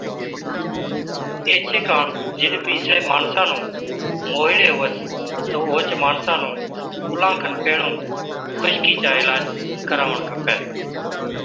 ايڇي ڪاڻ جِڏ بِي اِسڙي ماڻسا نُون موهِيڙي هُوس تہ اوهچ ماڻسا نُون ڪُلان کن پيهڻُون خشڪِي چا عِلاج ڪراوَڻ کپَي۔